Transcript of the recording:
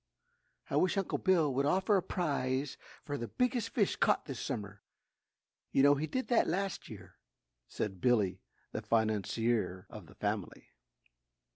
"I wish Uncle Bill would offer a prize for the biggest fish caught this summer you know he did that last year," said Billy, the financier of the family.